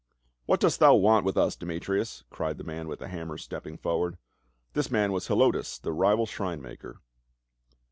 "What dost thou want with us, Demetrius?" cried the man with the hammers, stepping forward. This man was Helotus, the rival shrine maker.